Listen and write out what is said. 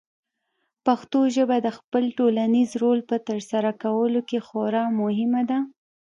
پښتو ژبه د خپل ټولنیز رول په ترسره کولو کې خورا مهمه ده.